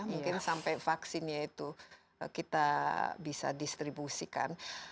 mungkin sampai vaksinnya itu kita bisa distribusikan